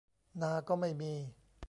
นาก็ไม่มี